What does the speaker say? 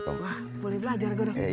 boleh belajar gue dong